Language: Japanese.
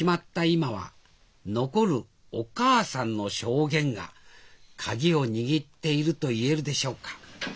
今は残るお母さんの証言が鍵を握っていると言えるでしょうか